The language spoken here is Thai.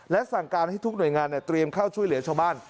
และสั่งการให้ทุกหน่วยงานเตรียมเข้าช่วยเหลือชาวบ้าน